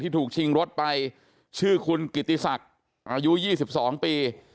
ถูกชิงรถไปชื่อคุณกิติศักดิ์อายุ๒๒ปี